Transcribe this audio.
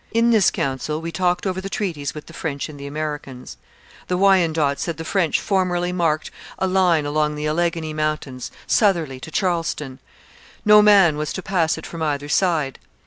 In this council we talked over the treaties with the French and the Americans. The Wyandot said the French formerly marked a line along the Alleghany mountains, southerly, to Charleston. No man was to pass it from either side.